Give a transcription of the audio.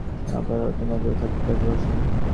তিন্নি আপা রোদের মধ্যে বসে থাকতে ভালবাসেন।